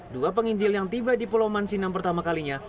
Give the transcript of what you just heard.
dua penginjil yang tiba di pulau mansinam pertama kalinya